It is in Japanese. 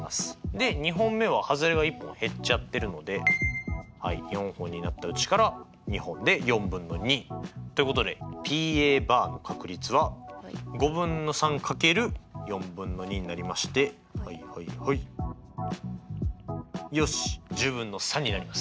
で２本目ははずれが１本減っちゃってるので４本になったうちから２本で４分の２。ということでＰの確率は５分の３×４分の２になりましてはいはいはいよし１０分の３になります。